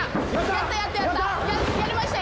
やったやったやりました